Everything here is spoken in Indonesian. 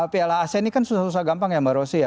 piala asia ini kan susah susah gampang ya mbak rosy ya